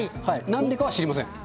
なんでかは知りません。